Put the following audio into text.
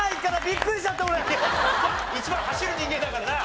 一番走る人間だからな。